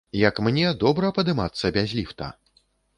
Як мне, добра падымацца без ліфта?